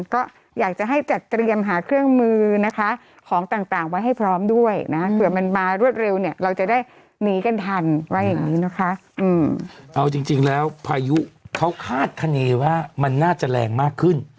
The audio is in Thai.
เอาจริงแล้วพายุเขาคาดคาเนว่ามันน่าจะแรงมากขึ้น